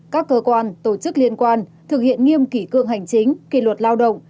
các cơ quan tổ chức liên quan thực hiện nghiêm kỷ cương hành chính kỷ luật lao động